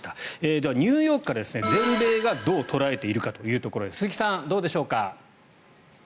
では、ニューヨークから全米がどう捉えているかというところで鈴木さん、いかがでしょうか。